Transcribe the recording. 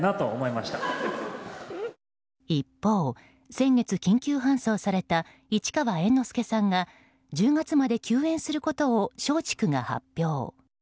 一方、先月緊急搬送された市川猿之助さんが１０月まで休演することを松竹が発表。